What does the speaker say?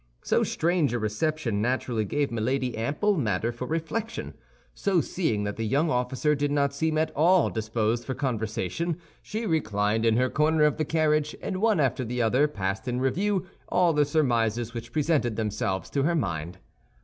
So strange a reception naturally gave Milady ample matter for reflection; so seeing that the young officer did not seem at all disposed for conversation, she reclined in her corner of the carriage, and one after the other passed in review all the surmises which presented themselves to her mind.